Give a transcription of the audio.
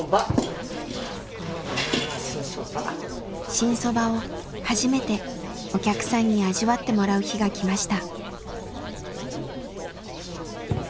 新そばを初めてお客さんに味わってもらう日がきました。